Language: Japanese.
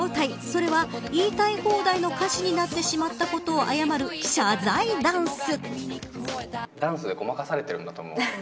それは言いたい放題の歌詞になってしまったことを謝る謝罪ダンス。